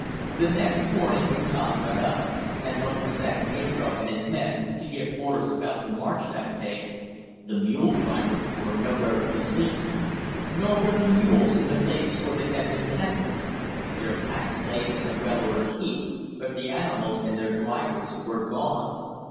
The next morning when Tom got up, and looked for San Pedro and his men, to give orders about the march that day, the mule drivers were nowhere to be seen. Nor were the mules in the places where they had been tethered. Their packs lay in a well ordered heap, but the animals and their drivers were gone.